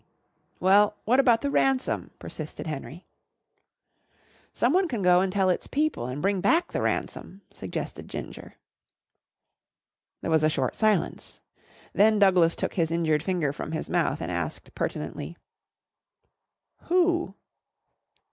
"Well, what about the ransom?" persisted Henry. "Someone can go and tell its people and bring back the ransom," suggested Ginger. There was a short silence. Then Douglas took his injured finger from his mouth and asked pertinently: "Who?"